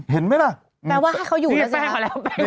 เห็นไหมล่ะ